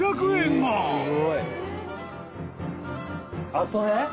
あとね。